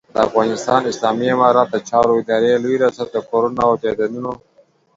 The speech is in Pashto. د افغانستان اسلامي امارت د چارو ادارې لوی رياست د کورونو او جایدادونو